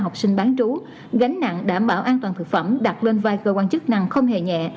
học sinh bán trú gánh nặng đảm bảo an toàn thực phẩm đặt lên vai cơ quan chức năng không hề nhẹ